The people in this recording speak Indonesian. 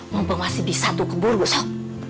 ngomong masih bisa tuh keburu sop